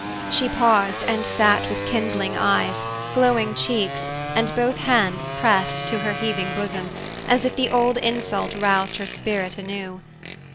She paused and sat with kindling eyes, glowing cheeks, and both hands pressed to her heaving bosom, as if the old insult roused her spirit anew.